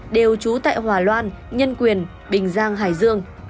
đều trú tại hòa loan nhân quyền bình giang hải dương